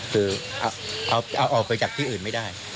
คือเอาออกไปจากที่อื่นไม่ได้